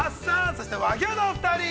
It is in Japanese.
そして和牛のお二人。